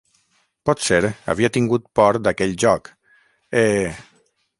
Potser havia tingut por d’aquell joc... e